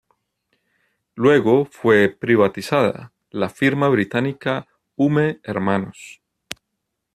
Luego fue privatizada, la firma británica Hume Hnos.